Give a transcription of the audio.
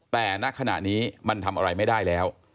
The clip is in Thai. แต่ณขณะนี้มันทำอะไรไม่ได้แล้ว